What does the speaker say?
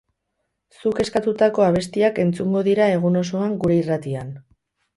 Zuk eskatutako abestiak entzungo dira egun osoan gure irratian.